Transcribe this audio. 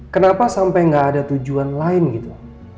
kenapa sampai nggak ada tujuan lain gitu